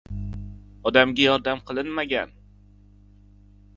— Odamga yordam qilmagan